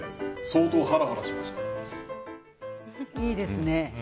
いいですね。